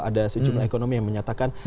ada sejumlah ekonomi yang menyatakan